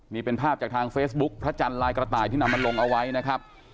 นี่เป็นภาพจากทางเฟซบุ๊คพระจันทร์ลายกระต่ายที่นำมาลงเอาไว้นะครับ